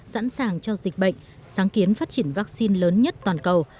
sẵn sàng cho dịch bệnh sáng kiến phát triển vaccine lớn nhất toàn cầu